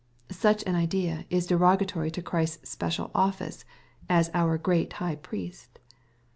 Such an idea is derogatory to Christ's special office, as our Great High Priest.